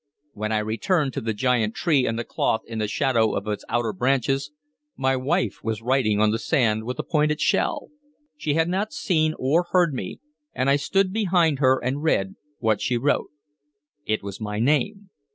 When I returned to the giant tree and the cloth in the shadow of its outer branches, my wife was writing on the sand with a pointed shell. She had not seen or heard me, and I stood behind her and read what she wrote. It was my name.